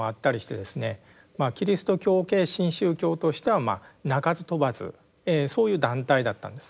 キリスト教系新宗教としては鳴かず飛ばずそういう団体だったんです。